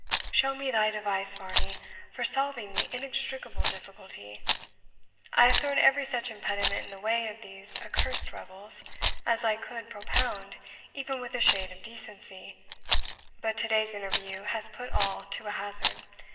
Show me thy device, Varney, for solving the inextricable difficulty. I have thrown every such impediment in the way of these accursed revels as I could propound even with a shade of decency, but to day's interview has put all to a hazard.